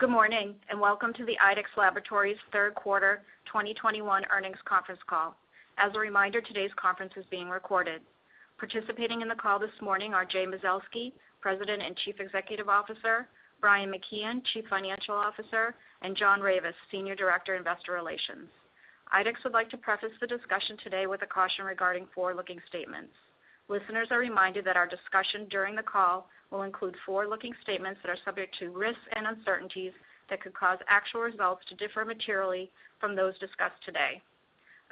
Good morning, and welcome to the IDEXX Laboratories third quarter 2021 earnings conference call. As a reminder, today's conference is being recorded. Participating in the call this morning are Jay Mazelsky, President and Chief Executive Officer, Brian McKeon, Chief Financial Officer, and John Ravis, Senior Director, Investor Relations. IDEXX would like to preface the discussion today with a caution regarding forward-looking statements. Listeners are reminded that our discussion during the call will include forward-looking statements that are subject to risks and uncertainties that could cause actual results to differ materially from those discussed today.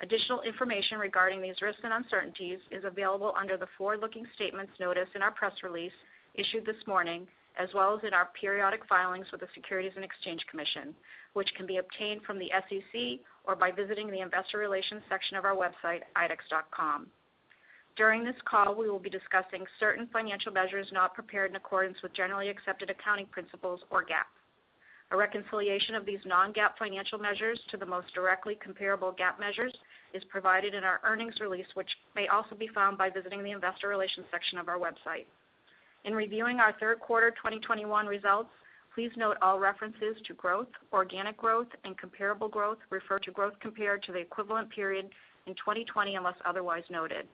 Additional information regarding these risks and uncertainties is available under the forward-looking statements notice in our press release issued this morning, as well as in our periodic filings with the Securities and Exchange Commission, which can be obtained from the SEC or by visiting the investor relations section of our website, idexx.com. During this call, we will be discussing certain financial measures not prepared in accordance with generally accepted accounting principles, or GAAP. A reconciliation of these non-GAAP financial measures to the most directly comparable GAAP measures is provided in our earnings release, which may also be found by visiting the investor relations section of our website. In reviewing our third quarter 2021 results, please note all references to growth, organic growth, and comparable growth refer to growth compared to the equivalent period in 2020, unless otherwise noted.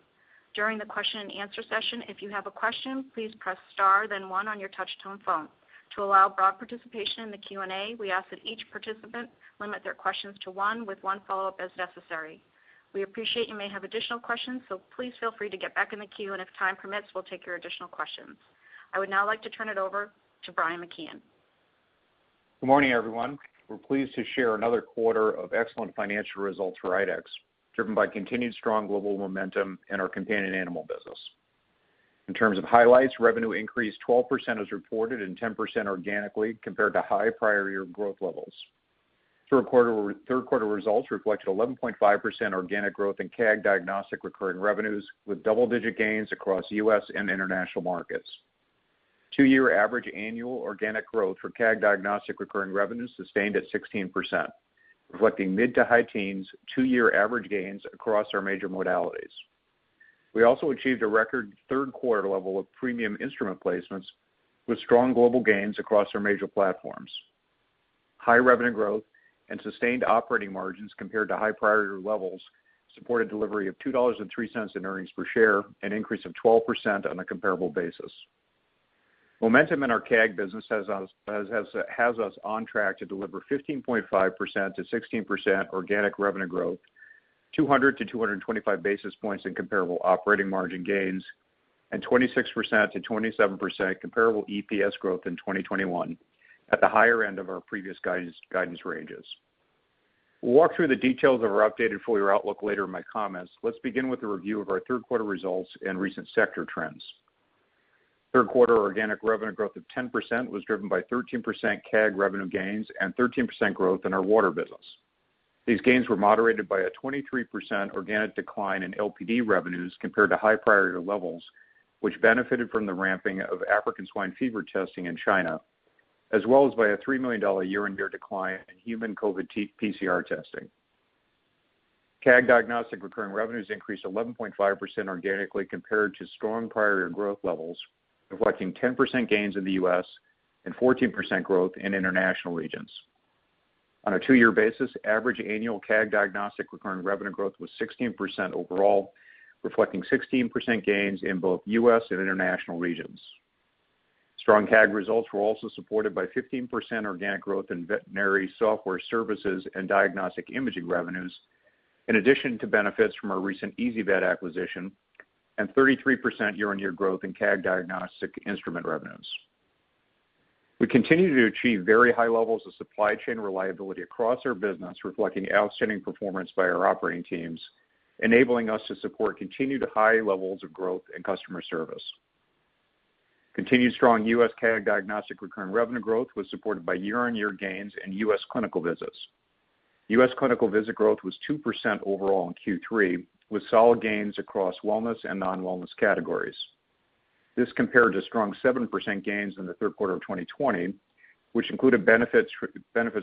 During the question-and-answer session, if you have a question, please press star then one on your touch-tone phone. To allow broad participation in the Q&A, we ask that each participant limit their questions to one with one follow-up as necessary. We appreciate you may have additional questions, so please feel free to get back in the queue, and if time permits, we'll take your additional questions. I would now like to turn it over to Brian McKeon. Good morning, everyone. We're pleased to share another quarter of excellent financial results for IDEXX, driven by continued strong global momentum in our companion animal business. In terms of highlights, revenue increased 12% as reported and 10% organically compared to high prior year growth levels. Third quarter results reflected 11.5% organic growth in CAG Diagnostic recurring revenues, with double-digit gains across U.S. and international markets. Two-year average annual organic growth for CAG Diagnostic recurring revenue sustained at 16%, reflecting mid- to high-teens two-year average gains across our major modalities. We also achieved a record third quarter level of premium instrument placements with strong global gains across our major platforms. High revenue growth and sustained operating margins compared to high priority levels supported delivery of $2.03 in earnings per share, an increase of 12% on a comparable basis. Momentum in our CAG business has us on track to deliver 15.5%-16% organic revenue growth, 200-225 basis points in comparable operating margin gains, and 26%-27% comparable EPS growth in 2021 at the higher end of our previous guidance ranges. We'll walk through the details of our updated full-year outlook later in my comments. Let's begin with a review of our third quarter results and recent sector trends. Third quarter organic revenue growth of 10% was driven by 13% CAG revenue gains and 13% growth in our water business. These gains were moderated by a 23% organic decline in LPD revenues compared to high prior levels, which benefited from the ramping of African swine fever testing in China, as well as by a $3 million year-on-year decline in human COVID PCR testing. CAG Diagnostic recurring revenues increased 11.5% organically compared to strong prior growth levels, reflecting 10% gains in the U.S. and 14% growth in international regions. On a two-year basis, average annual CAG Diagnostic recurring revenue growth was 16% overall, reflecting 16% gains in both U.S. and international regions. Strong CAG results were also supported by 15% organic growth in veterinary software services and diagnostic imaging revenues, in addition to benefits from our recent ezyVet acquisition and 33% year-on-year growth in CAG Diagnostic instrument revenues. We continue to achieve very high levels of supply chain reliability across our business, reflecting outstanding performance by our operating teams, enabling us to support continued high levels of growth and customer service. Continued strong U.S. CAG Diagnostic recurring revenue growth was supported by year-on-year gains in U.S. clinical visits. U.S. clinical visit growth was 2% overall in Q3, with solid gains across wellness and non-wellness categories. This compared to strong 7% gains in the third quarter of 2020, which included benefits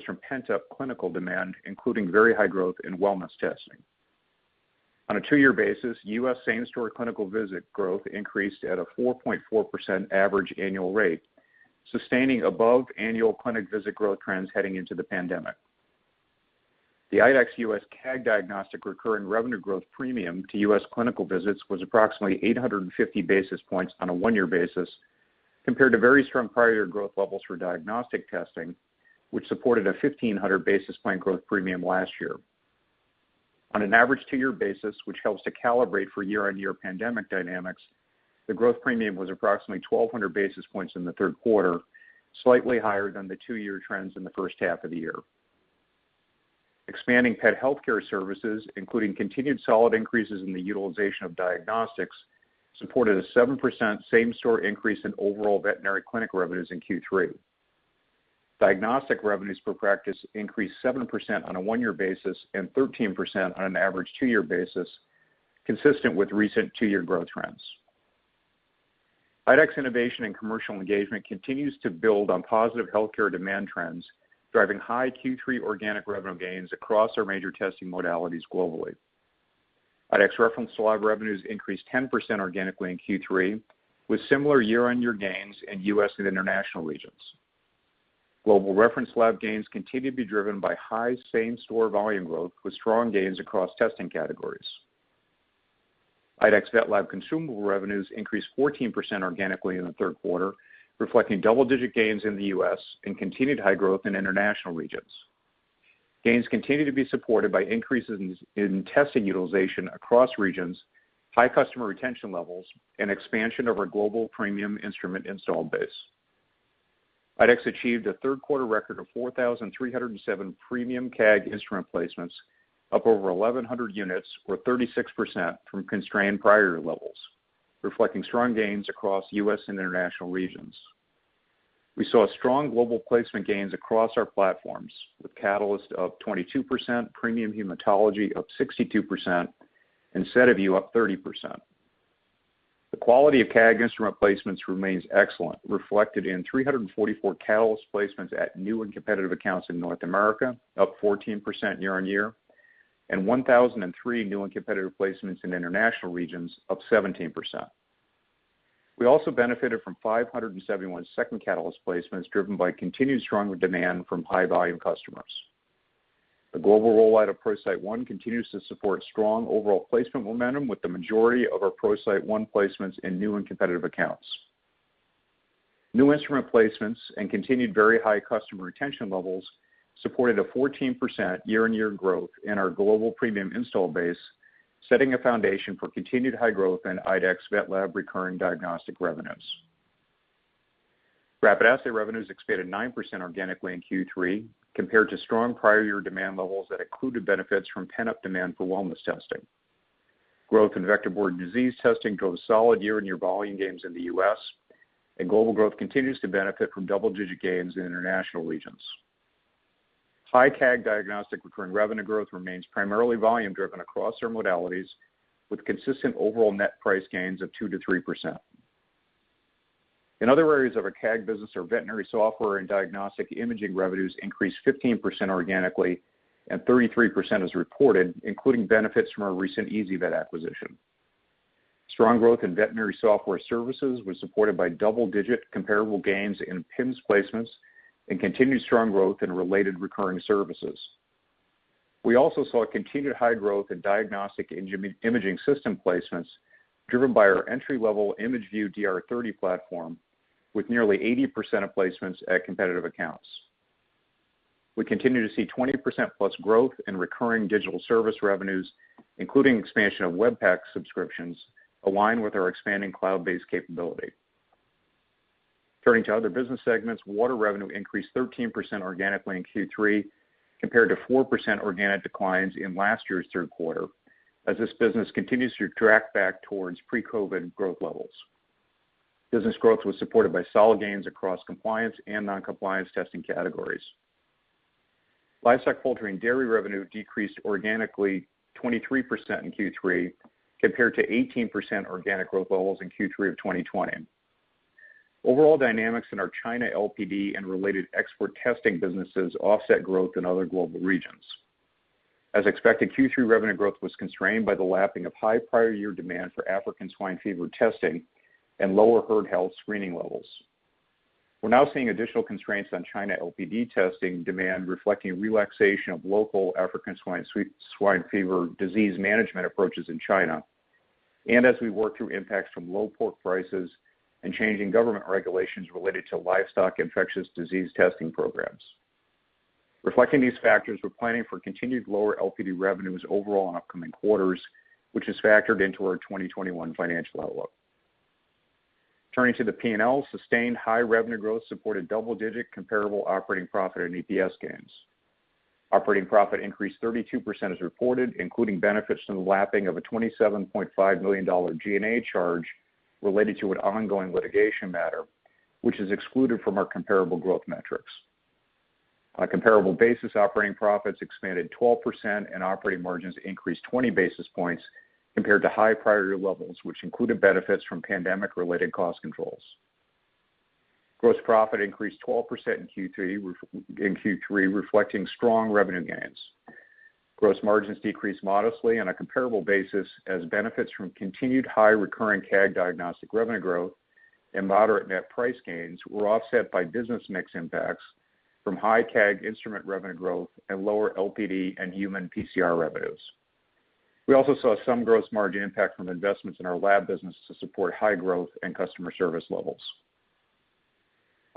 from pent-up clinical demand, including very high growth in wellness testing. On a two-year basis, U.S. same-store clinical visit growth increased at a 4.4% average annual rate, sustaining above annual clinic visit growth trends heading into the pandemic. The IDEXX U.S. CAG Diagnostic recurring revenue growth premium to U.S. clinical visits was approximately 850 basis points on a one-year basis, compared to very strong prior growth levels for diagnostic testing, which supported a 1,500 basis points growth premium last year. On an average two-year basis, which helps to calibrate for year-on-year pandemic dynamics, the growth premium was approximately 1,200 basis points in the third quarter, slightly higher than the two-year trends in the H1 of the year. Expanding pet healthcare services, including continued solid increases in the utilization of diagnostics, supported a 7% same store increase in overall veterinary clinic revenues in Q3. Diagnostic revenues per practice increased 7% on a one-year basis and 13% on an average two-year basis, consistent with recent two-year growth trends. IDEXX innovation and commercial engagement continues to build on positive healthcare demand trends, driving high Q3 organic revenue gains across our major testing modalities globally. IDEXX Reference Lab revenues increased 10% organically in Q3, with similar year-on-year gains in U.S. and international regions. Global reference lab gains continue to be driven by high same-store volume growth with strong gains across testing categories. IDEXX VetLab consumable revenues increased 14% organically in the third quarter, reflecting double-digit gains in the U.S. and continued high growth in international regions. Gains continue to be supported by increases in testing utilization across regions, high customer retention levels, and expansion of our global premium instrument install base. IDEXX achieved a third quarter record of 4,307 premium CAG instrument placements, up over 1,100 units or 36% from constrained prior year levels, reflecting strong gains across U.S. and international regions. We saw strong global placement gains across our platforms, with Catalyst up 22%, premium hematology up 62%, and SediVue up 30%. The quality of CAG instrument placements remains excellent, reflected in 344 Catalyst placements at new and competitive accounts in North America, up 14% year-on-year, and 1,003 new and competitive placements in international regions, up 17%. We also benefited from 571 second Catalyst placements, driven by continued strong demand from high-volume customers. The global rollout of ProCyte One continues to support strong overall placement momentum with the majority of our ProCyte One placements in new and competitive accounts. New instrument placements and continued very high customer retention levels supported a 14% year-on-year growth in our global premium install base, setting a foundation for continued high growth in IDEXX VetLab recurring diagnostic revenues. Rapid assay revenues expanded 9% organically in Q3 compared to strong prior year demand levels that included benefits from pent-up demand for wellness testing. Growth in vector-borne disease testing drove solid year-on-year volume gains in the U.S., and global growth continues to benefit from double-digit gains in international regions. High CAG diagnostic recurring revenue growth remains primarily volume driven across our modalities with consistent overall net price gains of 2%-3%. In other areas of our CAG business, our veterinary software and diagnostic imaging revenues increased 15% organically, and 33% as reported, including benefits from our recent ezyVet acquisition. Strong growth in veterinary software services was supported by double-digit comparable gains in PIMS placements and continued strong growth in related recurring services. We also saw continued high growth in diagnostic imaging system placements driven by our entry-level ImageVue DR30 platform with nearly 80% of placements at competitive accounts. We continue to see 20%+ growth in recurring digital service revenues, including expansion of Web PACS subscriptions aligned with our expanding cloud-based capability. Turning to other business segments, water revenue increased 13% organically in Q3 compared to 4% organic declines in last year's third quarter as this business continues to track back towards pre-COVID growth levels. Business growth was supported by solid gains across compliance and non-compliance testing categories. Livestock, Poultry, and Dairy revenue decreased organically 23% in Q3 compared to 18% organic growth levels in Q3 of 2020. Overall dynamics in our China LPD and related export testing businesses offset growth in other global regions. As expected, Q3 revenue growth was constrained by the lapping of high prior year demand for African swine fever testing and lower herd health screening levels. We're now seeing additional constraints on China LPD testing demand reflecting relaxation of local African swine fever disease management approaches in China, and as we work through impacts from low pork prices and changing government regulations related to livestock infectious disease testing programs. Reflecting these factors, we're planning for continued lower LPD revenues overall in upcoming quarters, which is factored into our 2021 financial outlook. Turning to the P&L, sustained high revenue growth supported double-digit comparable operating profit and EPS gains. Operating profit increased 32% as reported, including benefits from the lapping of a $27.5 million G&A charge related to an ongoing litigation matter, which is excluded from our comparable growth metrics. On a comparable basis, operating profits expanded 12% and operating margins increased 20 basis points compared to high prior year levels, which included benefits from pandemic-related cost controls. Gross profit increased 12% in Q3, reflecting strong revenue gains. Gross margins decreased modestly on a comparable basis as benefits from continued high recurring CAG diagnostic revenue growth and moderate net price gains were offset by business mix impacts from high CAG instrument revenue growth and lower LPD and human PCR revenues. We also saw some gross margin impact from investments in our lab business to support high growth and customer service levels.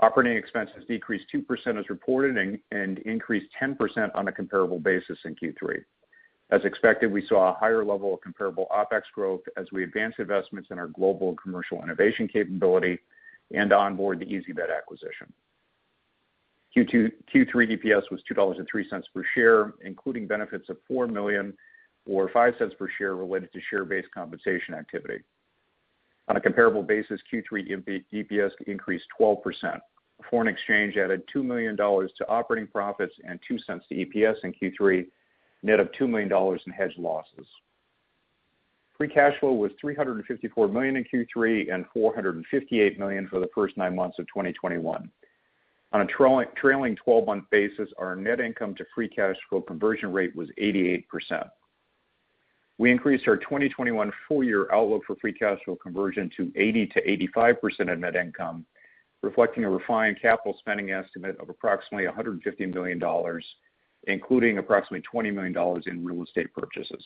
Operating expenses decreased 2% as reported and increased 10% on a comparable basis in Q3. As expected, we saw a higher level of comparable OpEx growth as we advanced investments in our global commercial innovation capability and onboard the ezyVet acquisition. Q3 EPS was $2.03 per share, including benefits of $4 million or $0.05 per share related to share-based compensation activity. On a comparable basis, Q3 EPS increased 12%. Foreign exchange added $2 million to operating profits and $0.02 to EPS in Q3, net of $2 million in hedge losses. Free cash flow was $354 million in Q3 and $458 million for the first nine months of 2021. On a trailing 12-month basis, our net income to free cash flow conversion rate was 88%. We increased our 2021 full year outlook for free cash flow conversion to 80%-85% of net income, reflecting a refined capital spending estimate of approximately $115 million, including approximately $20 million in real estate purchases.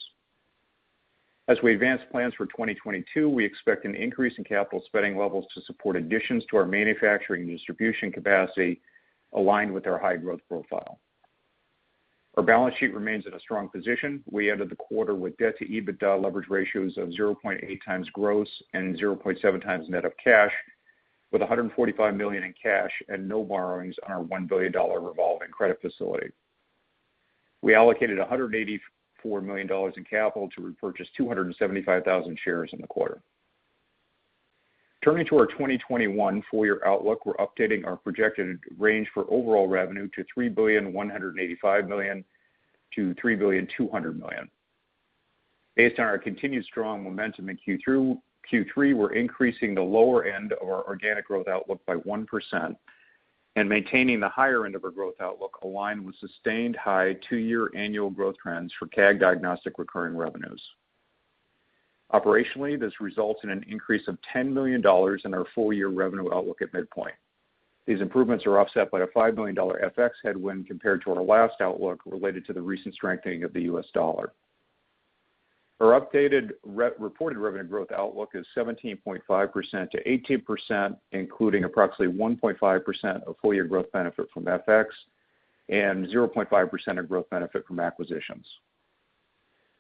As we advance plans for 2022, we expect an increase in capital spending levels to support additions to our manufacturing and distribution capacity aligned with our high growth profile. Our balance sheet remains in a strong position. We ended the quarter with debt to EBITDA leverage ratios of 0.8x gross and 0.7x net of cash, with $145 million in cash and no borrowings on our $1 billion revolving credit facility. We allocated $184 million in capital to repurchase 275,000 shares in the quarter. Turning to our 2021 full-year outlook, we're updating our projected range for overall revenue to $3.185 billion-$3.2 billion. Based on our continued strong momentum in Q3 2021, we're increasing the lower end of our organic growth outlook by 1% and maintaining the higher end of our growth outlook aligned with sustained high two-year annual growth trends for CAG Diagnostic recurring revenues. Operationally, this results in an increase of $10 million in our full-year revenue outlook at midpoint. These improvements are offset by a $5 million FX headwind compared to our last outlook related to the recent strengthening of the U.S. dollar. Our updated re-reported revenue growth outlook is 17.5%-18%, including approximately 1.5% of full year growth benefit from FX and 0.5% of growth benefit from acquisitions.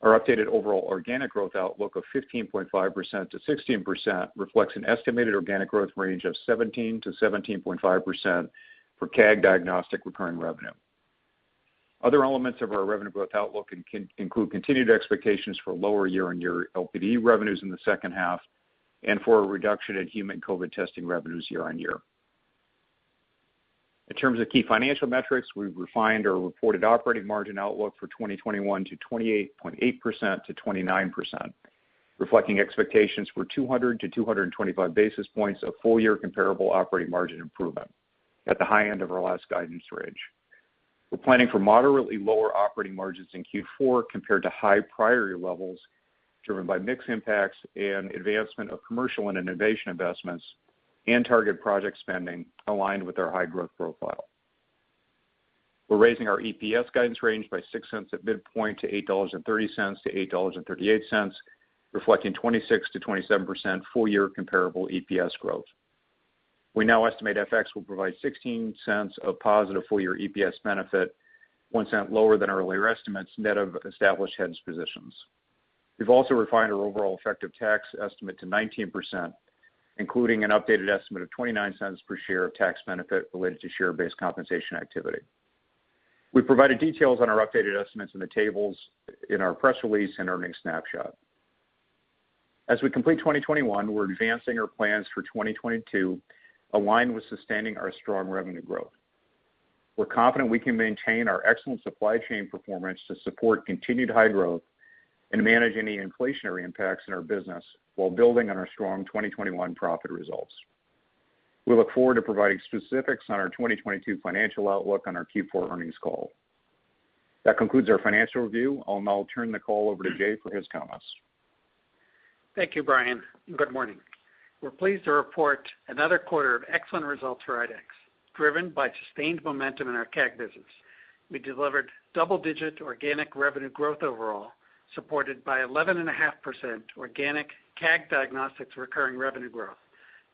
Our updated overall organic growth outlook of 15.5%-16% reflects an estimated organic growth range of 17%-17.5% for CAG Diagnostic recurring revenue. Other elements of our revenue growth outlook include continued expectations for lower year-on-year LPD revenues in the H2 and for a reduction in human COVID testing revenues year-on-year. In terms of key financial metrics, we've refined our reported operating margin outlook for 2021 to 28.8%-29%, reflecting expectations for 200-225 basis points of full year comparable operating margin improvement at the high end of our last guidance range. We're planning for moderately lower operating margins in Q4 compared to high priority levels driven by mix impacts and advancement of commercial and innovation investments and target project spending aligned with our high growth profile. We're raising our EPS guidance range by $0.06 at midpoint to $8.30-$8.38, reflecting 26%-27% full year comparable EPS growth. We now estimate FX will provide $0.16 of positive full year EPS benefit, $0.01 lower than our earlier estimates, net of established hedge positions. We've also refined our overall effective tax estimate to 19%, including an updated estimate of $0.29 per share of tax benefit related to share-based compensation activity. We've provided details on our updated estimates in the tables in our press release and earnings snapshot. As we complete 2021, we're advancing our plans for 2022, aligned with sustaining our strong revenue growth. We're confident we can maintain our excellent supply chain performance to support continued high growth and manage any inflationary impacts in our business while building on our strong 2021 profit results. We look forward to providing specifics on our 2022 financial outlook on our Q4 earnings call. That concludes our financial review. I'll now turn the call over to Jay for his comments. Thank you, Brian. Good morning. We're pleased to report another quarter of excellent results for IDEXX, driven by sustained momentum in our CAG business. We delivered double-digit organic revenue growth overall, supported by 11.5% organic CAG Diagnostics recurring revenue growth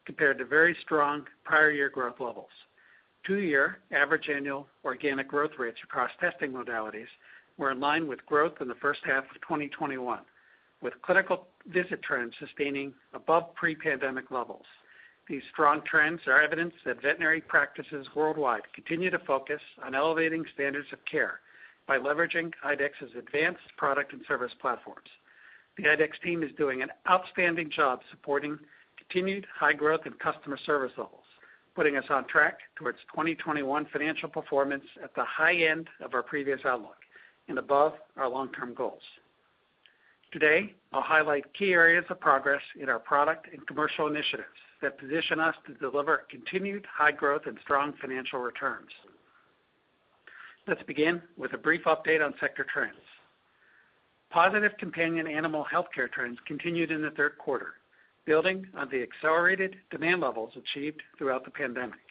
compared to very strong prior year growth levels. Two-year average annual organic growth rates across testing modalities were in line with growth in the H1 of 2021, with clinical visit trends sustaining above pre-pandemic levels. These strong trends are evidence that veterinary practices worldwide continue to focus on elevating standards of care by leveraging IDEXX's advanced product and service platforms. The IDEXX team is doing an outstanding job supporting continued high growth and customer service levels, putting us on track towards 2021 financial performance at the high end of our previous outlook and above our long-term goals. Today, I'll highlight key areas of progress in our product and commercial initiatives that position us to deliver continued high growth and strong financial returns. Let's begin with a brief update on sector trends. Positive companion animal healthcare trends continued in the third quarter, building on the accelerated demand levels achieved throughout the pandemic.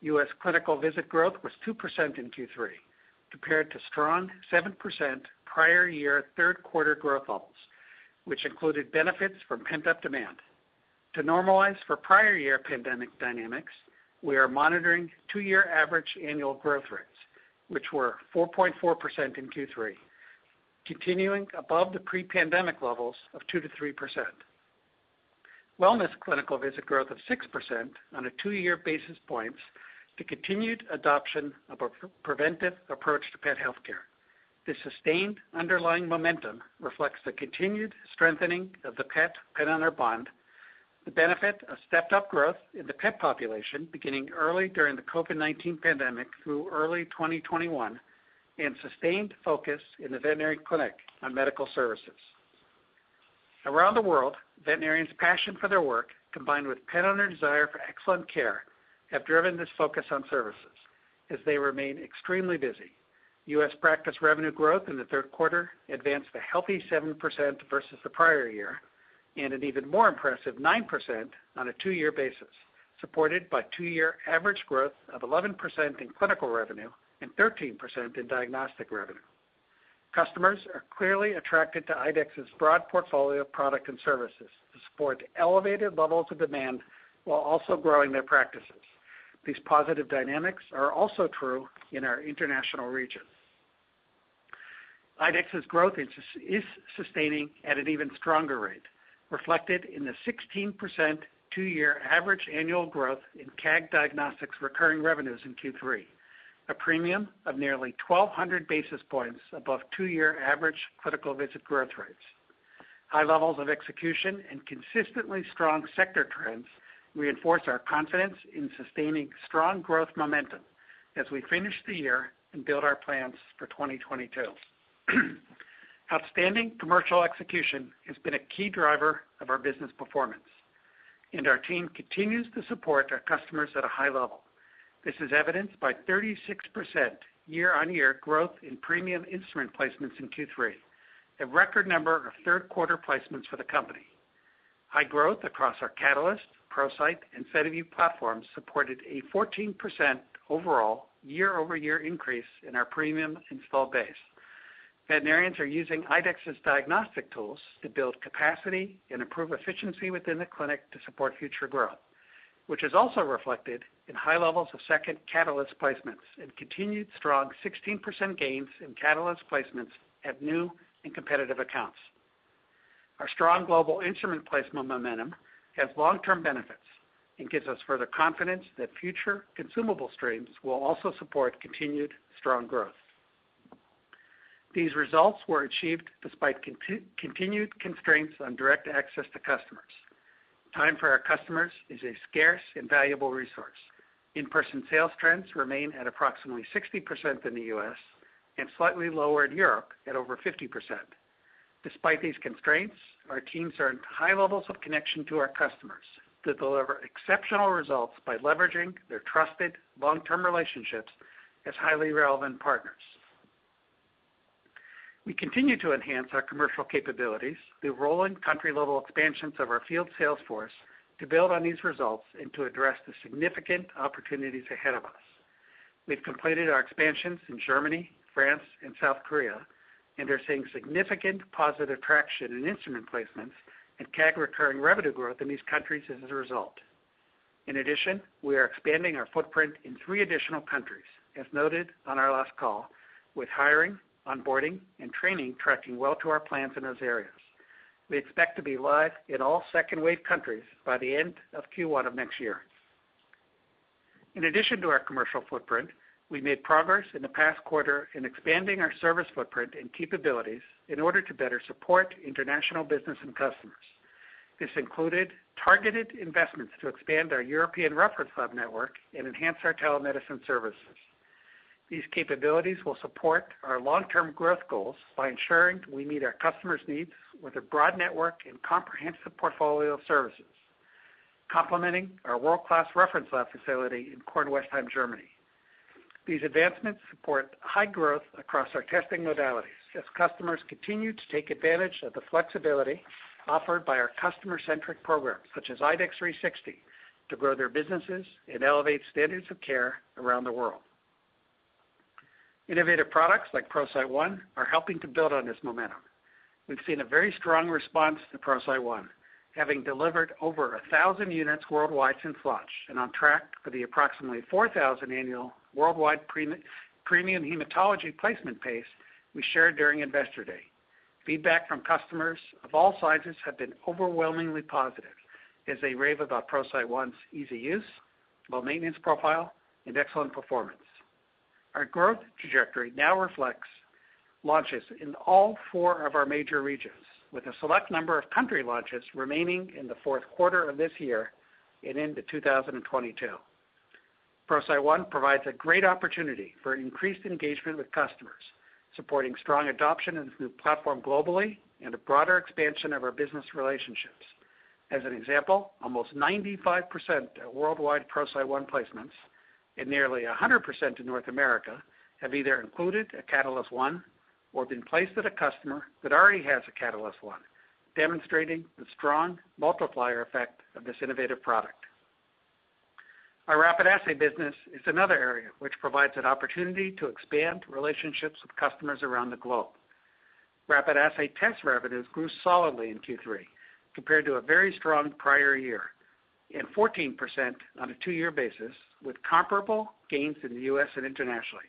U.S. clinical visit growth was 2% in Q3, compared to strong 7% prior year third quarter growth levels, which included benefits from pent-up demand. To normalize for prior year pandemic dynamics, we are monitoring two-year average annual growth rates, which were 4.4% in Q3, continuing above the pre-pandemic levels of 2%-3%. Wellness clinical visit growth of 6% on a two-year basis points to continued adoption of a preventive approach to pet healthcare. This sustained underlying momentum reflects the continued strengthening of the pet-pet owner bond, the benefit of stepped up growth in the pet population beginning early during the COVID-19 pandemic through early 2021, and sustained focus in the veterinary clinic on medical services. Around the world, veterinarians' passion for their work, combined with pet owner desire for excellent care, have driven this focus on services as they remain extremely busy. U.S. practice revenue growth in the third quarter advanced a healthy 7% versus the prior year, and an even more impressive 9% on a two-year basis, supported by two-year average growth of 11% in clinical revenue and 13% in diagnostic revenue. Customers are clearly attracted to IDEXX's broad portfolio of product and services to support elevated levels of demand while also growing their practices. These positive dynamics are also true in our international region. IDEXX's growth is sustaining at an even stronger rate, reflected in the 16% two-year average annual growth in CAG Diagnostics recurring revenues in Q3, a premium of nearly 1,200 basis points above two-year average clinical visit growth rates. High levels of execution and consistently strong sector trends reinforce our confidence in sustaining strong growth momentum as we finish the year and build our plans for 2022. Outstanding commercial execution has been a key driver of our business performance, and our team continues to support our customers at a high level. This is evidenced by 36% year-on-year growth in premium instrument placements in Q3, a record number of third quarter placements for the company. High growth across our Catalyst, ProCyte, and VetLab platforms supported a 14% overall year-over-year increase in our premium install base. Veterinarians are using IDEXX's diagnostic tools to build capacity and improve efficiency within the clinic to support future growth, which is also reflected in high levels of second Catalyst placements and continued strong 16% gains in Catalyst placements at new and competitive accounts. Our strong global instrument placement momentum has long-term benefits and gives us further confidence that future consumable streams will also support continued strong growth. These results were achieved despite continued constraints on direct access to customers. Time for our customers is a scarce and valuable resource. In-person sales trends remain at approximately 60% in the U.S. and slightly lower in Europe at over 50%. Despite these constraints, our teams earned high levels of connection to our customers to deliver exceptional results by leveraging their trusted long-term relationships as highly relevant partners. We continue to enhance our commercial capabilities through rolling country-level expansions of our field sales force to build on these results and to address the significant opportunities ahead of us. We've completed our expansions in Germany, France, and South Korea, and are seeing significant positive traction in instrument placements and CAG recurring revenue growth in these countries as a result. In addition, we are expanding our footprint in three additional countries, as noted on our last call, with hiring, onboarding, and training tracking well to our plans in those areas. We expect to be live in all second wave countries by the end of Q1 of next year. In addition to our commercial footprint, we made progress in the past quarter in expanding our service footprint and capabilities in order to better support international business and customers. This included targeted investments to expand our European reference lab network and enhance our telemedicine services. These capabilities will support our long-term growth goals by ensuring we meet our customers' needs with a broad network and comprehensive portfolio of services, complementing our world-class reference lab facility in Kornwestheim, Germany. These advancements support high growth across our testing modalities as customers continue to take advantage of the flexibility offered by our customer-centric programs, such as IDEXX 360, to grow their businesses and elevate standards of care around the world. Innovative products like ProCyte One are helping to build on this momentum. We've seen a very strong response to ProCyte One, having delivered over 1,000 units worldwide since launch and on track for the approximately 4,000 annual worldwide premium hematology placement pace we shared during Investor Day. Feedback from customers of all sizes have been overwhelmingly positive as they rave about ProCyte One's easy use, low maintenance profile, and excellent performance. Our growth trajectory now reflects launches in all four of our major regions, with a select number of country launches remaining in the fourth quarter of this year and into 2022. ProCyte One provides a great opportunity for increased engagement with customers, supporting strong adoption of the new platform globally and a broader expansion of our business relationships. As an example, almost 95% of worldwide ProCyte One placements and nearly 100% in North America have either included a Catalyst One or been placed at a customer that already has a Catalyst One, demonstrating the strong multiplier effect of this innovative product. Our rapid assay business is another area which provides an opportunity to expand relationships with customers around the globe. Rapid assay test revenues grew solidly in Q3 compared to a very strong prior year and 14% on a two-year basis, with comparable gains in the U.S. and internationally.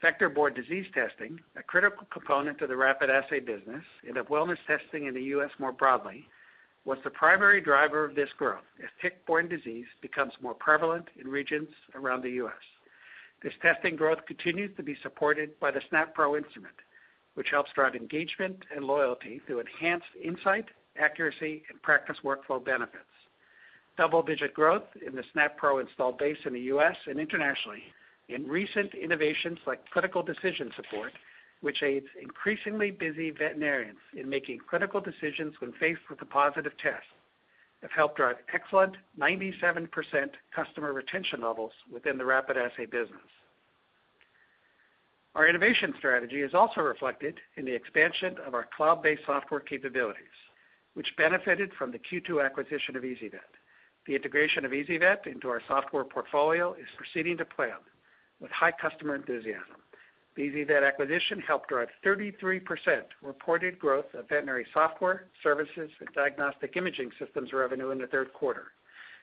Vector-borne disease testing, a critical component of the rapid assay business and of wellness testing in the U.S. more broadly, was the primary driver of this growth as tick-borne disease becomes more prevalent in regions around the U.S. This testing growth continues to be supported by the SNAP Pro instrument, which helps drive engagement and loyalty through enhanced insight, accuracy, and practice workflow benefits. Double-digit growth in the SNAP Pro installed base in the U.S. and internationally. In recent innovations like critical decision support, which aids increasingly busy veterinarians in making critical decisions when faced with a positive test, have helped drive excellent 97% customer retention levels within the rapid assay business. Our innovation strategy is also reflected in the expansion of our cloud-based software capabilities, which benefited from the Q2 acquisition of ezyVet. The integration of ezyVet into our software portfolio is proceeding to plan with high customer enthusiasm. The ezyVet acquisition helped drive 33% reported growth of veterinary software, services, and diagnostic imaging systems revenue in the third quarter,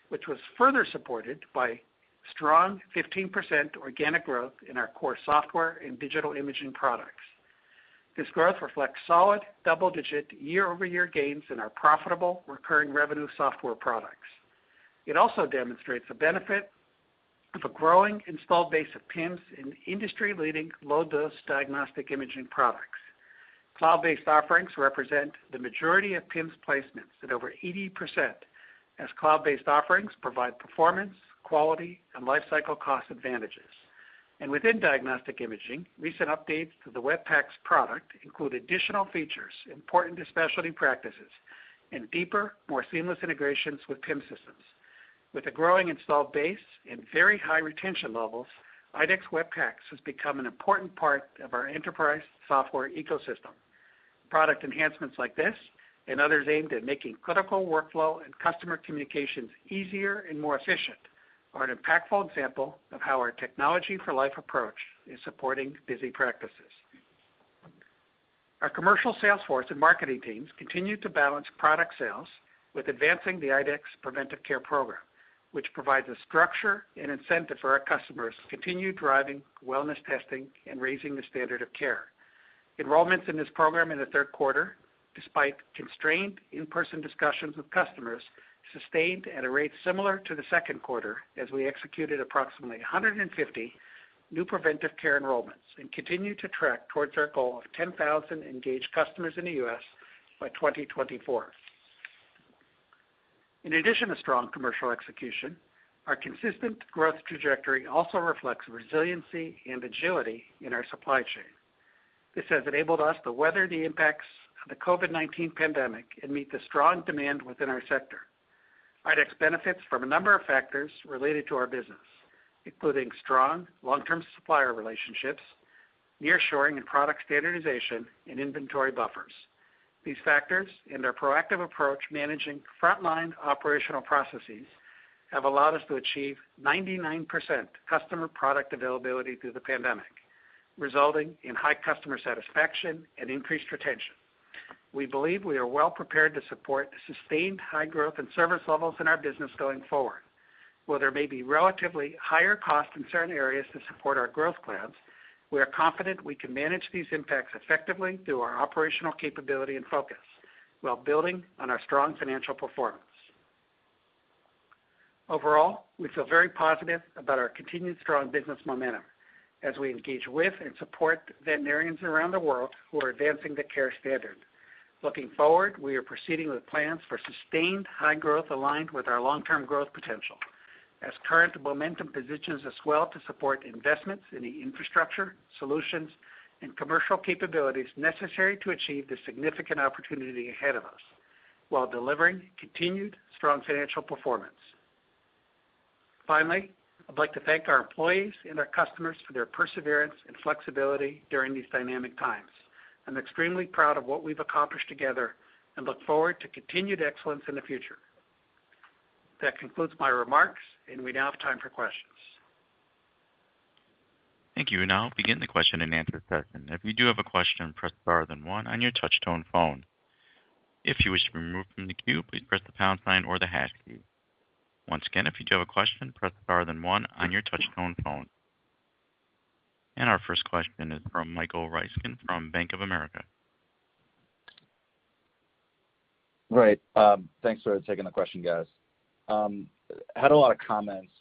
which was further supported by strong 15% organic growth in our core software and digital imaging products. This growth reflects solid double-digit year-over-year gains in our profitable recurring revenue software products. It also demonstrates the benefit of a growing installed base of PIMs in industry-leading low-dose diagnostic imaging products. Cloud-based offerings represent the majority of PIMs placements at over 80%, as cloud-based offerings provide performance, quality, and lifecycle cost advantages. Within diagnostic imaging, recent updates to the Web PACS product include additional features important to specialty practices and deeper, more seamless integrations with PIMS systems. With a growing installed base and very high retention levels, IDEXX Web PACS has become an important part of our enterprise software ecosystem. Product enhancements like this and others aimed at making critical workflow and customer communications easier and more efficient are an impactful example of how our technology for life approach is supporting busy practices. Our commercial sales force and marketing teams continue to balance product sales with advancing the IDEXX preventive care program, which provides a structure and incentive for our customers to continue driving wellness testing and raising the standard of care. Enrollments in this program in the third quarter, despite constrained in-person discussions with customers, sustained at a rate similar to the second quarter as we executed approximately 150 new preventive care enrollments and continue to track towards our goal of 10,000 engaged customers in the U.S. by 2024. In addition to strong commercial execution, our consistent growth trajectory also reflects resiliency and agility in our supply chain. This has enabled us to weather the impacts of the COVID-19 pandemic and meet the strong demand within our sector. IDEXX benefits from a number of factors related to our business, including strong long-term supplier relationships, nearshoring and product standardization, and inventory buffers. These factors and our proactive approach managing frontline operational processes have allowed us to achieve 99% customer product availability through the pandemic, resulting in high customer satisfaction and increased retention. We believe we are well-prepared to support sustained high growth and service levels in our business going forward. While there may be relatively higher costs in certain areas to support our growth plans, we are confident we can manage these impacts effectively through our operational capability and focus while building on our strong financial performance. Overall, we feel very positive about our continued strong business momentum as we engage with and support veterinarians around the world who are advancing the care standard. Looking forward, we are proceeding with plans for sustained high growth aligned with our long-term growth potential as current momentum positions us well to support investments in the infrastructure, solutions, and commercial capabilities necessary to achieve the significant opportunity ahead of us while delivering continued strong financial performance. Finally, I'd like to thank our employees and our customers for their perseverance and flexibility during these dynamic times. I'm extremely proud of what we've accomplished together and look forward to continued excellence in the future. That concludes my remarks, and we now have time for questions. Thank you. We'll now begin the question-and-answer session. If you do have a question, press star then one on your touch-tone phone. If you wish to be removed from the queue, please press the pound sign or the hash key. Once again, if you do have a question, press star then one on your touch-tone phone. Our first question is from Michael Ryskin from Bank of America. Right. Thanks for taking the question, guys. Had a lot of comments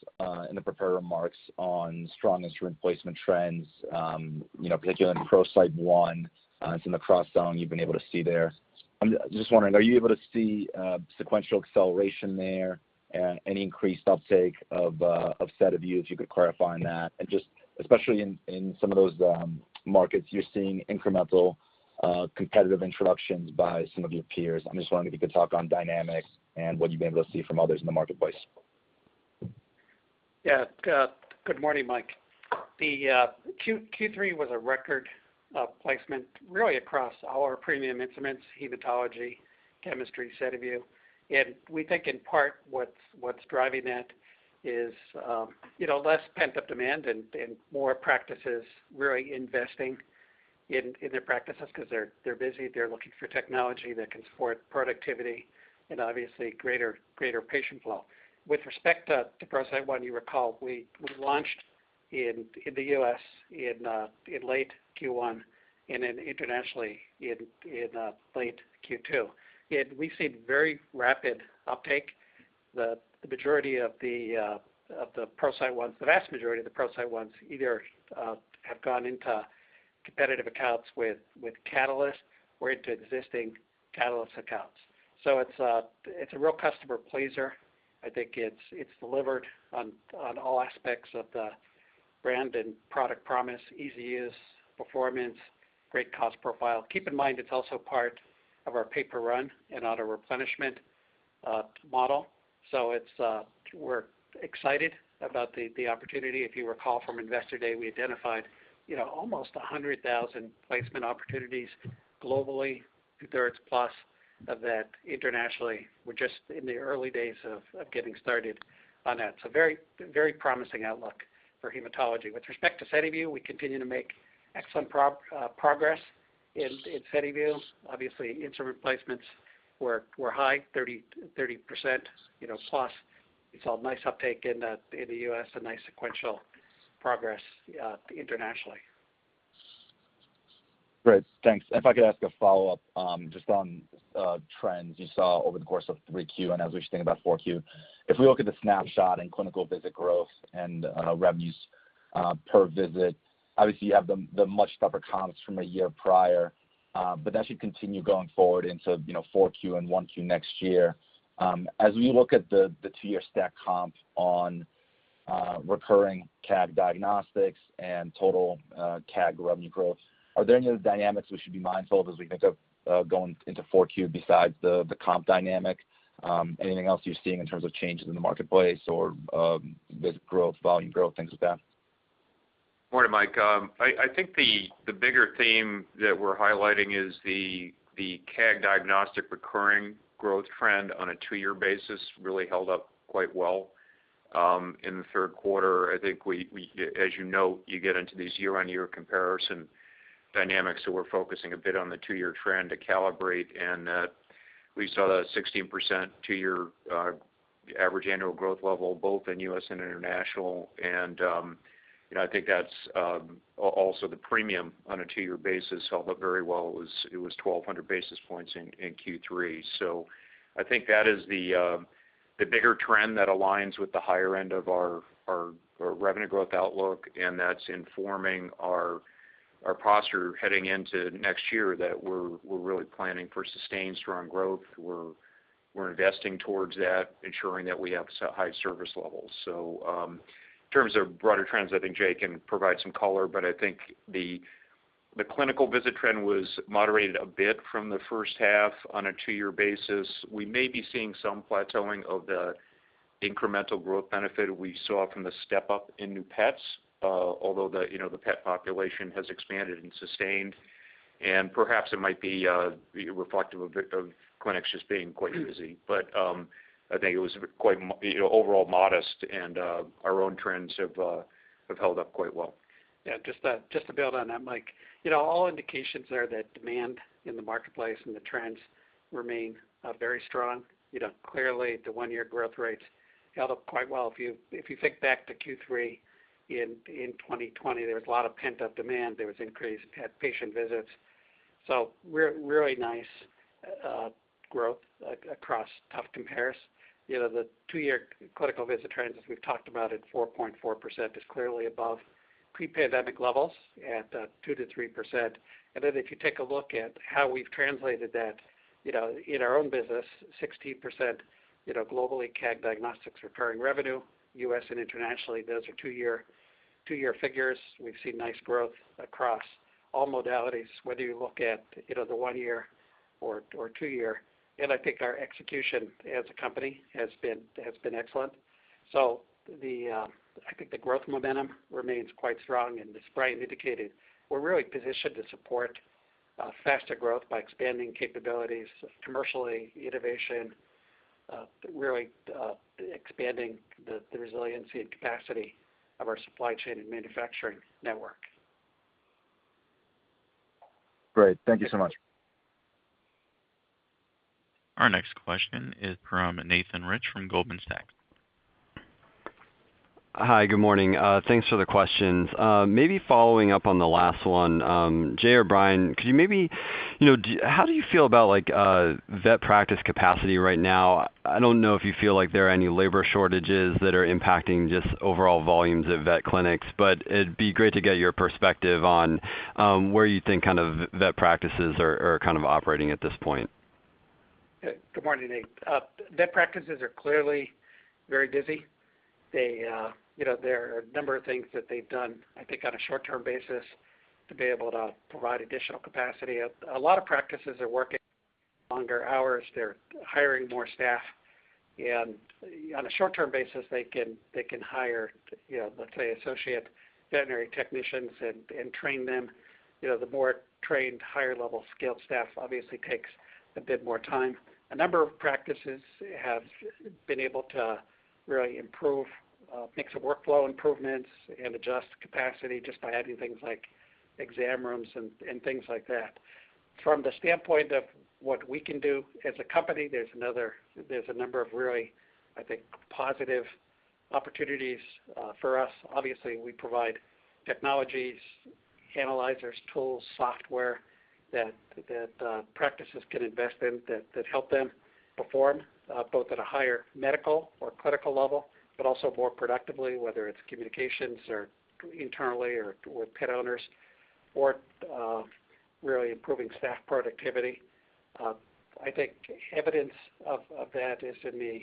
in the prepared remarks on strong instrument placement trends, you know, particularly in ProCyte One, it's in the cross zone you've been able to see there. I'm just wondering, are you able to see sequential acceleration there and any increased uptake of SediVue, if you could clarify on that? Just especially in some of those markets, you're seeing incremental competitive introductions by some of your peers. I'm just wondering if you could talk on dynamics and what you've been able to see from others in the marketplace. Yeah. Good morning, Mike. The Q3 was a record placement really across our premium instruments, hematology, chemistry, SediVue. We think in part what's driving that is you know, less pent-up demand and more practices really investing in their practices because they're busy, they're looking for technology that can support productivity and obviously greater patient flow. With respect to ProCyte One, you recall, we launched in the U.S. in late Q1 and then internationally in late Q2. We've seen very rapid uptake. The majority of the ProCyte Ones, the vast majority of the ProCyte Ones either have gone into competitive accounts with Catalyst or into existing Catalyst accounts. It's a real customer pleaser. I think it's delivered on all aspects of the brand and product promise, ease of use, performance, great cost profile. Keep in mind, it's also part of our pay-per-run and auto-replenishment model. We're excited about the opportunity. If you recall from Investor Day, we identified, you know, almost 100,000 placement opportunities globally, two-thirds plus of that internationally. We're just in the early days of getting started on that. Very promising outlook for hematology. With respect to SediVue, we continue to make excellent progress in SediVue. Obviously, instrument placements were high 30%+. We saw a nice uptake in the U.S., a nice sequential progress internationally. Great. Thanks. If I could ask a follow-up, just on trends you saw over the course of 3Q and as we think about 4Q. If we look at the snapshot in clinical visit growth and revenues per visit, obviously you have the much tougher comps from a year prior, but that should continue going forward into, you know, 4Q and 1Q next year. As we look at the two-year stacked comp on recurring CAG Diagnostics and total CAG revenue growth, are there any other dynamics we should be mindful of as we think of going into 4Q besides the comp dynamic? Anything else you're seeing in terms of changes in the marketplace or visit growth, volume growth, things like that? Morning, Mike. I think the bigger theme that we're highlighting is the CAG Diagnostic recurring growth trend on a two-year basis really held up quite well in the third quarter. I think as you know, you get into these year-on-year comparison dynamics, so we're focusing a bit on the two-year trend to calibrate. We saw that 16% two-year average annual growth level, both in U.S. and international. You know, I think that's also the premium on a two-year basis held up very well. It was 1,200 basis points in Q3. I think that is the bigger trend that aligns with the higher end of our revenue growth outlook, and that's informing our posture heading into next year that we're really planning for sustained strong growth. We're investing towards that, ensuring that we have high service levels. In terms of broader trends, I think Jay can provide some color, but I think the clinical visit trend was moderated a bit from the H1 on a two-year basis. We may be seeing some plateauing of the incremental growth benefit we saw from the step up in new pets, although, you know, the pet population has expanded and sustained. Perhaps it might be reflective a bit of clinics just being quite busy. I think it was quite, you know, overall modest and our own trends have held up quite well. Yeah, just to build on that, Mike. You know, all indications are that demand in the marketplace and the trends remain very strong. You know, clearly, the one-year growth rates held up quite well. If you think back to Q3 in 2020, there was a lot of pent-up demand. There was increased pet patient visits. Really nice growth across tough compares. You know, the two-year clinical visit trends, as we've talked about at 4.4%, is clearly above pre-pandemic levels at 2%-3%. If you take a look at how we've translated that, you know, in our own business, 16%, you know, globally, CAG Diagnostics recurring revenue, U.S. and internationally, those are two-year figures. We've seen nice growth across all modalities, whether you look at, you know, the one-year or two-year. I think our execution as a company has been excellent. I think the growth momentum remains quite strong. As Brian indicated, we're really positioned to support faster growth by expanding capabilities commercially, innovation, really expanding the resiliency and capacity of our supply chain and manufacturing network. Great. Thank you so much. Our next question is from Nathan Rich from Goldman Sachs. Hi, good morning. Thanks for the questions. Maybe following up on the last one, Jay or Brian, could you maybe, you know, how do you feel about like vet practice capacity right now? I don't know if you feel like there are any labor shortages that are impacting just overall volumes of vet clinics, but it'd be great to get your perspective on where you think kind of vet practices are kind of operating at this point. Good morning, Nate. Vet practices are clearly very busy. They, you know, there are a number of things that they've done, I think, on a short-term basis to be able to provide additional capacity. A lot of practices are working longer hours. They're hiring more staff. On a short-term basis, they can hire, you know, let's say, associate veterinary technicians and train them. You know, the more trained, higher-level skilled staff obviously takes a bit more time. A number of practices have been able to really improve, make some workflow improvements and adjust capacity just by adding things like exam rooms and things like that. From the standpoint of what we can do as a company, there's a number of really, I think, positive opportunities for us. Obviously, we provide technologies, analyzers, tools, software that practices can invest in that help them perform both at a higher medical or clinical level, but also more productively, whether it's communications internally or with pet owners or really improving staff productivity. I think evidence of that is in the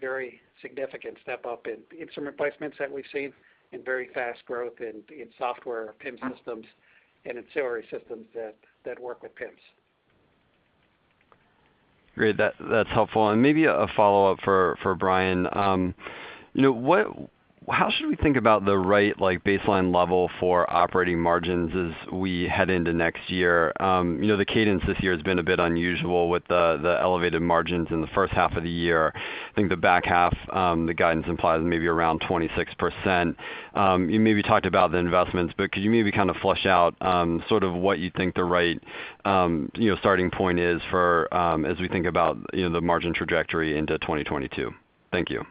very significant step up in instrument replacements that we've seen and very fast growth in software PIM systems and ancillary systems that work with PIMs. Great. That's helpful. Maybe a follow-up for Brian. You know, how should we think about the right, like, baseline level for operating margins as we head into next year? You know, the cadence this year has been a bit unusual with the elevated margins in the H1 of the year. I think the back half, the guidance implies maybe around 26%. You maybe talked about the investments, but could you maybe kind of flesh out, sort of what you think the right, you know, starting point is for, as we think about, you know, the margin trajectory into 2022? Thank you.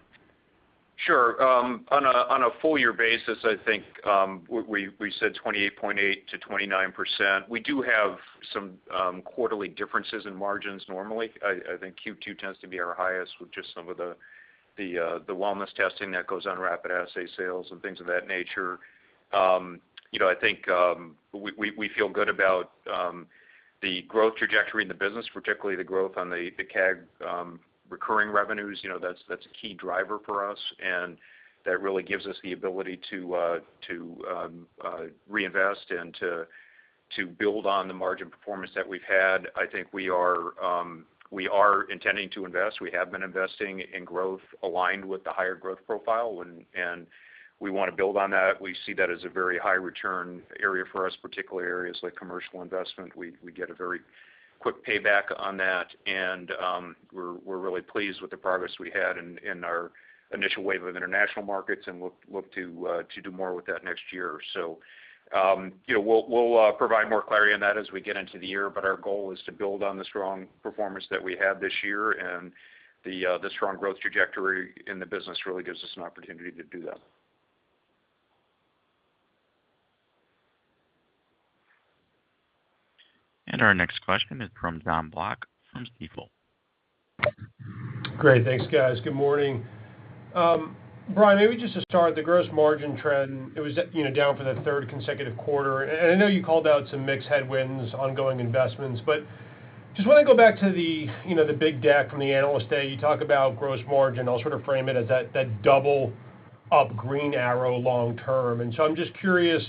Sure. On a full year basis, I think we said 28.8%-29%. We do have some quarterly differences in margins normally. I think Q2 tends to be our highest with just some of the wellness testing that goes on, rapid assay sales and things of that nature. You know, I think we feel good about the growth trajectory in the business, particularly the growth on the CAG recurring revenues. You know, that's a key driver for us, and that really gives us the ability to reinvest and to build on the margin performance that we've had. I think we are intending to invest. We have been investing in growth aligned with the higher growth profile when... We wanna build on that. We see that as a very high return area for us, particularly areas like commercial investment. We get a very quick payback on that, and we're really pleased with the progress we had in our initial wave of international markets, and we'll look to do more with that next year. You know, we'll provide more clarity on that as we get into the year, but our goal is to build on the strong performance that we had this year and the strong growth trajectory in the business really gives us an opportunity to do that. Our next question is from Jon Block from Stifel. Great. Thanks, guys. Good morning. Brian, maybe just to start, the gross margin trend, it was, you know, down for the third consecutive quarter. I know you called out some mix headwinds, ongoing investments, but just wanna go back to the, you know, the big deck from the Analyst Day. You talk about gross margin. I'll sort of frame it as that double up green arrow long term. I'm just curious,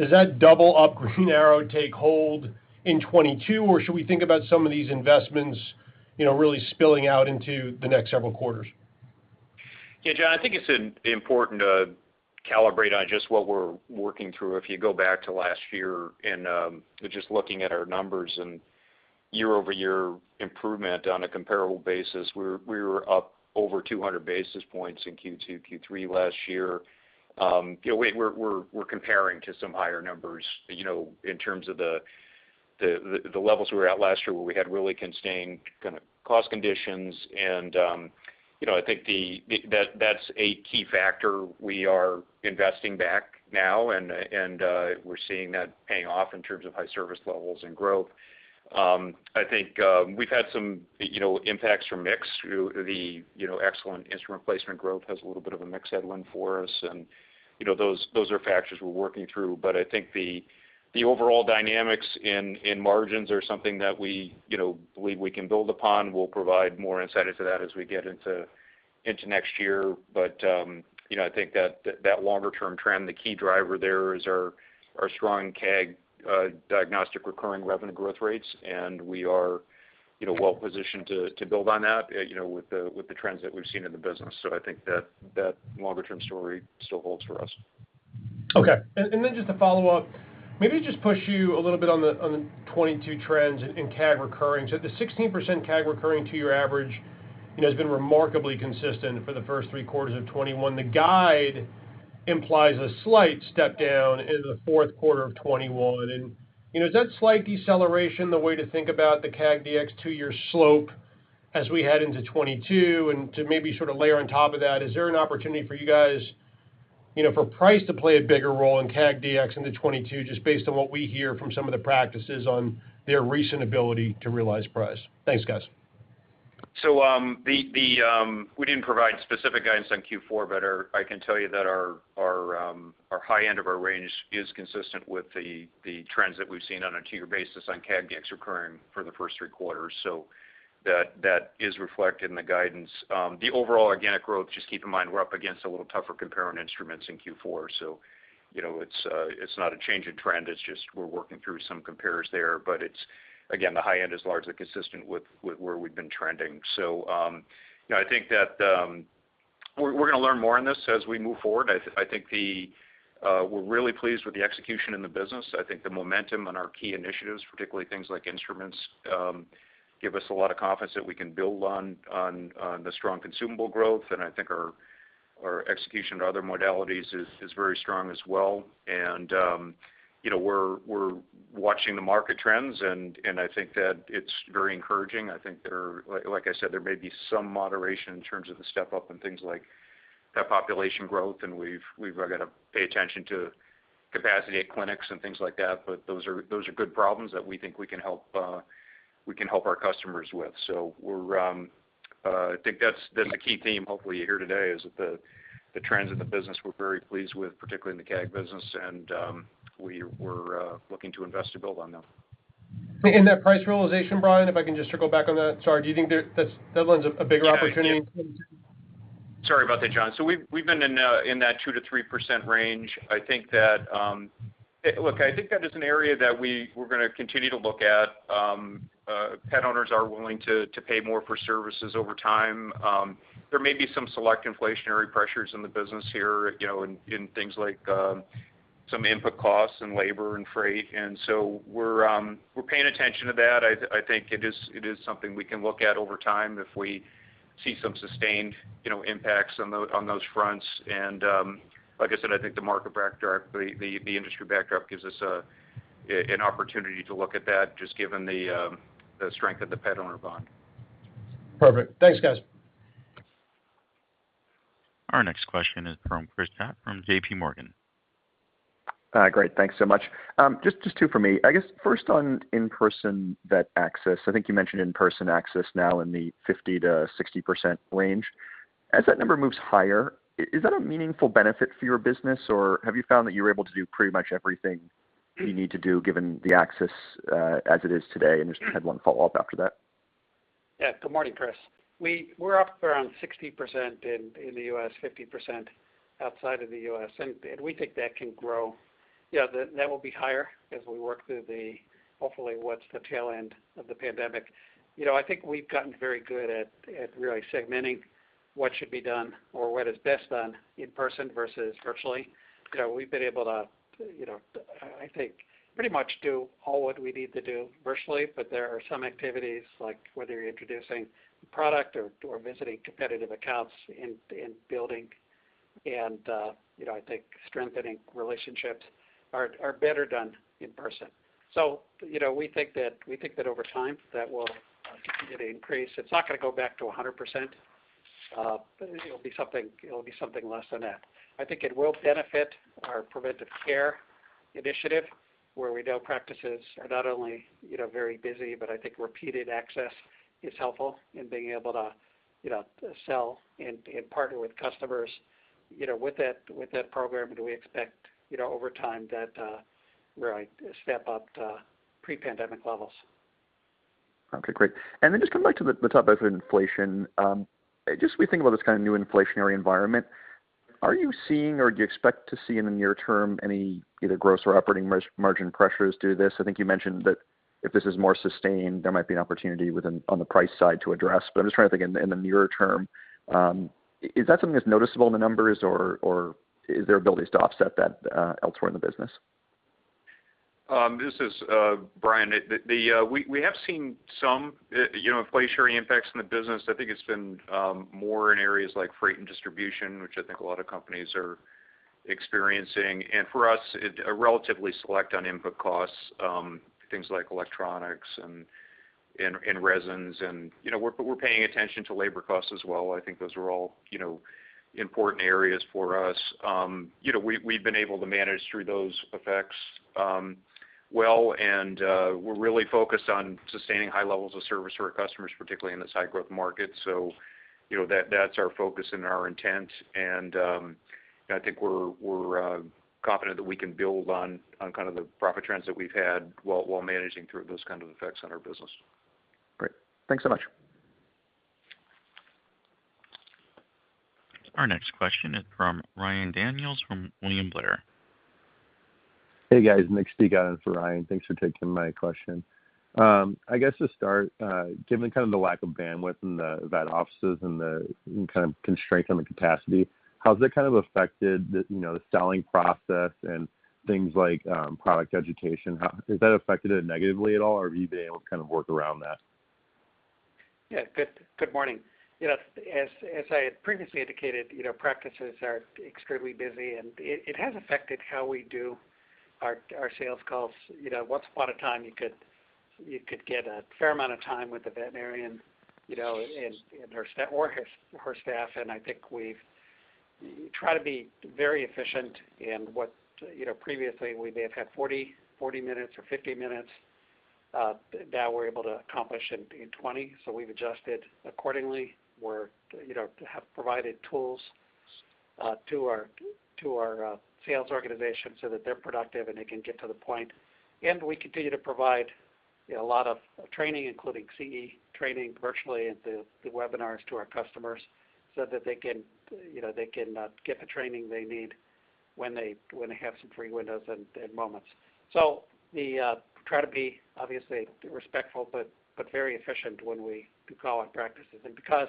does that double up green arrow take hold in 2022, or should we think about some of these investments, you know, really spilling out into the next several quarters? Yeah, John, I think it's important to calibrate on just what we're working through. If you go back to last year and just looking at our numbers and year-over-year improvement on a comparable basis, we were up over 200 basis points in Q2, Q3 last year. You know, we're comparing to some higher numbers, you know, in terms of the levels we were at last year where we had really constrained kind of cost conditions. You know, I think that's a key factor. We are investing back now and we're seeing that paying off in terms of high service levels and growth. I think we've had some, you know, impacts from mix through the, you know, excellent instrument placement growth has a little bit of a mix headwind for us. You know, those are factors we're working through. I think the overall dynamics in margins are something that we, you know, believe we can build upon. We'll provide more insight into that as we get into next year. You know, I think that longer term trend, the key driver there is our strong CAG diagnostic recurring revenue growth rates, and we are, you know, well positioned to build on that, you know, with the trends that we've seen in the business. I think that longer term story still holds for us. Okay. Just to follow-up, maybe just push you a little bit on the 2022 trends in CAG recurring. The 16% CAG recurring two-year average, you know, has been remarkably consistent for the first three quarters of 2021. The guide implies a slight step down in the fourth quarter of 2021. Is that slight deceleration the way to think about the CAGDX two-year slope as we head into 2022? To maybe sort of layer on top of that, is there an opportunity for you guys, you know, for price to play a bigger role in CAGDX into 2022 just based on what we hear from some of the practices on their recent ability to realize price? Thanks, guys. We didn't provide specific guidance on Q4, but I can tell you that our high end of our range is consistent with the trends that we've seen on a two-year basis on CAGDX recurring for the first three quarters. That is reflected in the guidance. The overall organic growth, just keep in mind, we're up against a little tougher compare on instruments in Q4. You know, it's not a change in trend. It's just we're working through some compares there. It's, again, the high end is largely consistent with where we've been trending. You know, I think that we're gonna learn more on this as we move forward. I think we're really pleased with the execution in the business. I think the momentum on our key initiatives, particularly things like instruments, give us a lot of confidence that we can build on the strong consumable growth. I think our execution of other modalities is very strong as well. You know, we're watching the market trends, and I think that it's very encouraging. I think there, like I said, there may be some moderation in terms of the step-up in things like that population growth, and we've gotta pay attention to capacity at clinics and things like that. Those are good problems that we think we can help our customers with. We're, I think, that's been the key theme, hopefully you hear today, is that the trends in the business we're very pleased with, particularly in the CAG business. We were looking to invest to build on them. That price realization, Brian, if I can just circle back on that. Sorry, do you think there. That's, that one's a bigger opportunity? Sorry about that, Jon. We've been in that 2%-3% range. I think that is an area that we're gonna continue to look at. Pet owners are willing to pay more for services over time. There may be some select inflationary pressures in the business here, you know, in things like some input costs and labor and freight. We're paying attention to that. I think it is something we can look at over time if we see some sustained, you know, impacts on those fronts. Like I said, I think the market backdrop, the industry backdrop gives us an opportunity to look at that just given the strength of the pet-owner bond. Perfect. Thanks, guys. Our next question is from Chris Schott from J.P. Morgan. Great. Thanks so much. Just two for me. I guess first on in-person vet access. I think you mentioned in-person access now in the 50%-60% range. As that number moves higher, is that a meaningful benefit for your business, or have you found that you're able to do pretty much everything you need to do given the access as it is today? Just have one follow-up after that. Yeah. Good morning, Chris. We're up around 60% in the U.S., 50% outside of the U.S., and we think that can grow. Yeah, that will be higher as we work through, hopefully, the tail end of the pandemic. You know, I think we've gotten very good at really segmenting what should be done or what is best done in person versus virtually. You know, we've been able to, you know, I think, pretty much do all that we need to do virtually. There are some activities like whether you're introducing product or visiting competitive accounts and building and, you know, I think strengthening relationships are better done in person. You know, we think that over time, that will increase. It's not gonna go back to 100%, but it'll be something less than that. I think it will benefit our preventive care initiative, where we know practices are not only, you know, very busy, but I think repeated access is helpful in being able to, you know, sell and partner with customers, you know, with that program. Do we expect, you know, over time that really step up to pre-pandemic levels. Okay, great. Just come back to the topic of inflation. Just as we think about this kind of new inflationary environment. Are you seeing or do you expect to see in the near term any either gross or operating margin pressures due to this? I think you mentioned that if this is more sustained, there might be an opportunity within, on the price side to address. I'm just trying to think in the nearer term, is that something that's noticeable in the numbers, or is there abilities to offset that, elsewhere in the business? This is Brian. We have seen some, you know, inflationary impacts in the business. I think it's been more in areas like freight and distribution, which I think a lot of companies are experiencing. For us, it's relatively selective on input costs, things like electronics and resins and, you know, we're paying attention to labor costs as well. I think those are all, you know, important areas for us. You know, we've been able to manage through those effects well, and we're really focused on sustaining high levels of service to our customers, particularly in this high-growth market. You know, that's our focus and our intent. I think we're confident that we can build on kind of the profit trends that we've had while managing through those kind of effects on our business. Great. Thanks so much. Our next question is from Ryan Daniels from William Blair. Hey, guys. Brandon Vazquez speaking for Ryan Daniels. Thanks for taking my question. I guess to start, given kind of the lack of bandwidth in the vet offices and the kind of constraints on the capacity, how has that kind of affected the, you know, the selling process and things like, product education? Has that affected it negatively at all, or have you been able to kind of work around that? Yeah. Good morning. You know, as I had previously indicated, you know, practices are extremely busy, and it has affected how we do our sales calls. You know, once upon a time, you could get a fair amount of time with the veterinarian, you know, and her or his or her staff, and I think we've. We try to be very efficient in what, you know, previously we may have had 40, 50 minutes that we're able to accomplish in 20 minutes. We've adjusted accordingly. We, you know, have provided tools to our sales organization so that they're productive and they can get to the point. We continue to provide, you know, a lot of training, including CE training virtually into the webinars to our customers so that they can, you know, get the training they need when they have some free windows and moments. We try to be, obviously respectful but very efficient when we do call on practices. Because,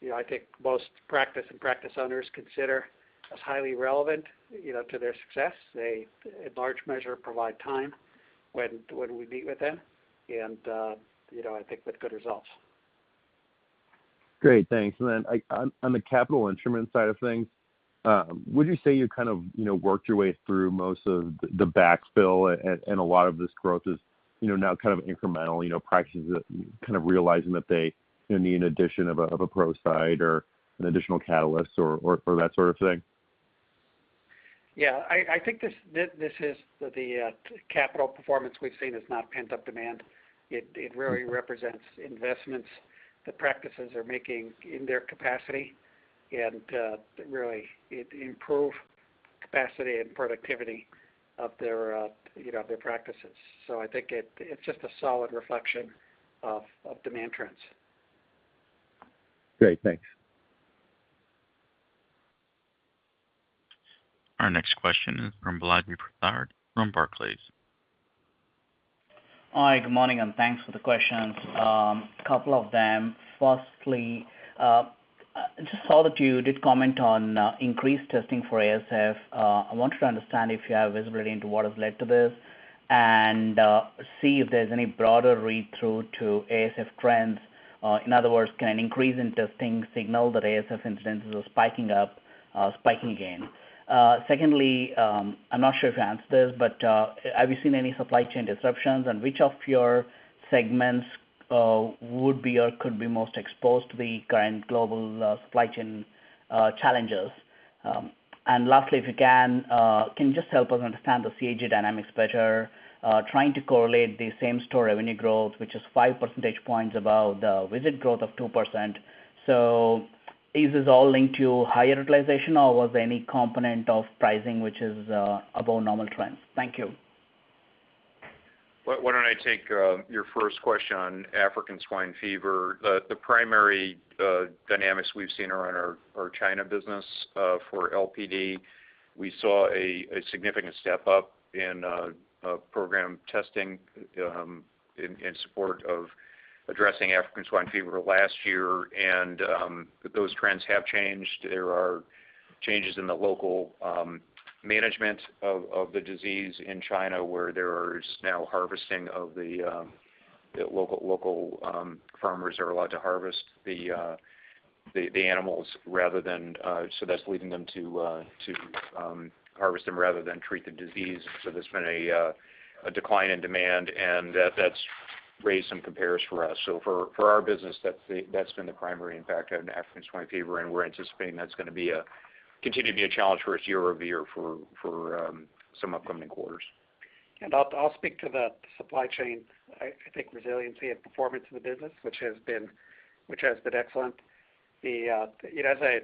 you know, I think most practice and practice owners consider us highly relevant, you know, to their success. They, in large measure, provide time when we meet with them and, you know, I think with good results. Great. Thanks. Then on the capital instrument side of things, would you say you kind of, you know, worked your way through most of the backfill and a lot of this growth is, you know, now kind of incremental, you know, practices that kind of realizing that they need an addition of a ProCyte or an additional Catalyst or that sort of thing? Yeah. I think this capital performance we've seen is not pent-up demand. It really represents investments that practices are making in their capacity and really it improved capacity and productivity of their practices. I think it's just a solid reflection of demand trends. Great. Thanks. Our next question is from Balaji Prasad from Barclays. Hi, good morning, and thanks for the questions. A couple of them. Firstly, just saw that you did comment on increased testing for ASF. I wanted to understand if you have visibility into what has led to this and see if there's any broader read-through to ASF trends. In other words, can an increase in testing signal that ASF incidences are spiking up, spiking again? Secondly, I'm not sure if you answered this, but have you seen any supply chain disruptions? And which of your segments would be or could be most exposed to the current global supply chain challenges? And lastly, if you can you just help us understand the CAG dynamics better, trying to correlate the same store revenue growth, which is five percentage points above the visit growth of 2%. Is this all linked to higher utilization, or was there any component of pricing which is above normal trends? Thank you. Why don't I take your first question on African swine fever. The primary dynamics we've seen are in our China business for LPD. We saw a significant step-up in program testing in support of addressing African swine fever last year. Those trends have changed. There are changes in the local management of the disease in China, where there is now the local farmers are allowed to harvest the animals rather than. That's leading them to harvest them rather than treat the disease. There's been a decline in demand, and that's raised some compares for us. For our business, that's been the primary impact of African swine fever, and we're anticipating that's gonna continue to be a challenge for us year-over-year for some upcoming quarters. I'll speak to the supply chain. I think resiliency and performance of the business, which has been excellent. You know, as I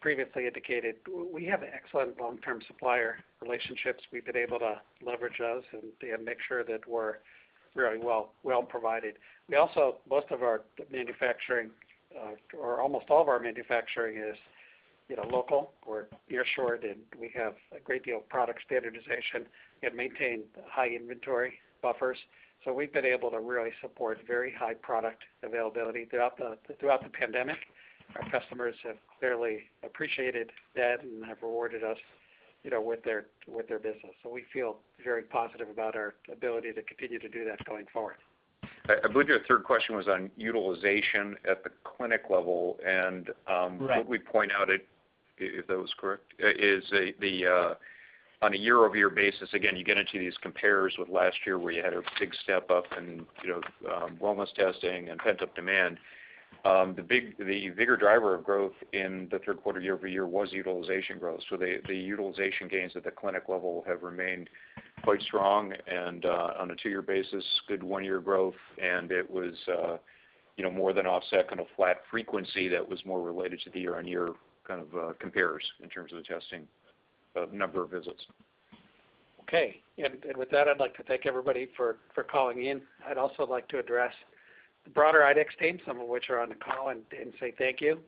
previously indicated, we have excellent long-term supplier relationships. We've been able to leverage those and make sure that we're very well provided. Most of our manufacturing or almost all of our manufacturing is, you know, local. We're near shore, and we have a great deal of product standardization and maintain high inventory buffers. We've been able to really support very high product availability throughout the pandemic. Our customers have clearly appreciated that and have rewarded us, you know, with their business. We feel very positive about our ability to continue to do that going forward. I believe your third question was on utilization at the clinic level. Right. What we point out, if that was correct, is the on a year-over-year basis, again, you get into these compares with last year where you had a big step-up in you know wellness testing and pent-up demand. The bigger driver of growth in the third quarter year-over-year was utilization growth. The utilization gains at the clinic level have remained quite strong and on a two-year basis, good one-year growth. It was you know more than offset kind of flat frequency that was more related to the year-on-year kind of compares in terms of the testing number of visits. Okay. With that, I'd like to thank everybody for calling in. I'd also like to address the broader IDEXX team, some of which are on the call, and say thank you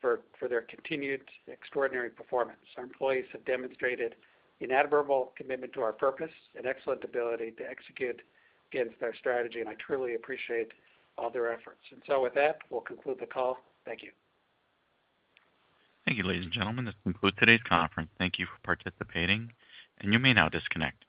for their continued extraordinary performance. Our employees have demonstrated unwavering commitment to our purpose and excellent ability to execute against our strategy, and I truly appreciate all their efforts. With that, we'll conclude the call. Thank you. Thank you, ladies and gentlemen. This concludes today's conference. Thank you for participating, and you may now disconnect.